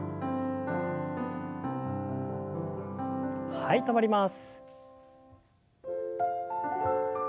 はい止まります。